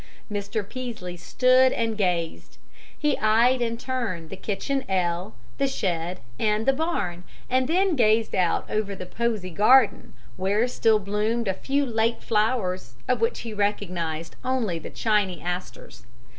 Mr. Peaslee stood and gazed. He eyed in turn the kitchen ell, the shed, and the barn, and then gazed out over the "posy" garden, where still bloomed a few late flowers, of which he recognized only the "chiny" asters.